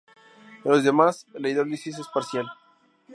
En los demás la hidrólisis es parcial.